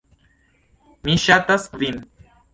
Mi ŝatas vin.